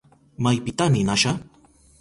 ¿Maypita ninasha?